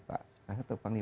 pak kasat atau pak nima